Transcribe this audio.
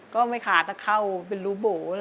ก็ไม่ขาดแต่เข้าเป็นรูโบ๋